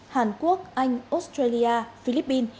hàn quốc anh australia philippines